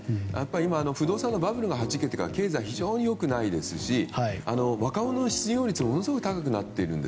今、不動産のバブルがはじけてから経済が非常に良くないですし若者の失業率もものすごく高くなっている。